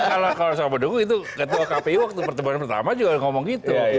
kalau sama pendukung itu ketua kpu waktu pertemuan pertama juga ngomong gitu